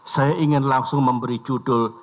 saya ingin langsung memberi judul